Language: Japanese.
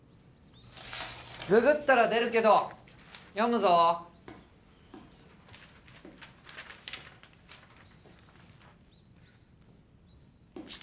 ググったら出るけど読むぞ父